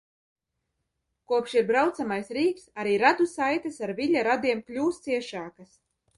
Kopš ir braucamais rīks arī radu saites ar Viļa radiem kļūs ciešākas.